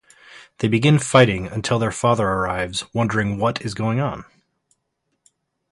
They begin fighting until their father arrives wondering what is going on.